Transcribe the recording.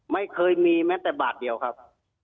ไม่เคยมีแม้แต่บาทเดียวครับ